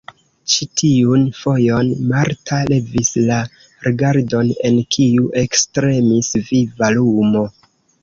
Ĉi tiun fojon Marta levis la rigardon, en kiu ektremis viva lumo.